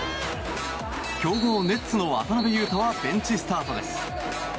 強豪ネッツの渡邊雄太はベンチスタートです。